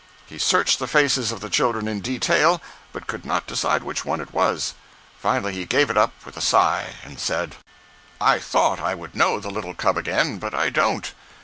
He searched the faces of the children in detail, but could not decide which one it was. Finally he gave it up with a sigh and said: 121.jpg (86K) "I thought I would know the little cub again but I don't."